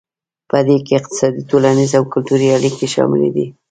پدې کې اقتصادي ټولنیز او کلتوري اړیکې شاملې دي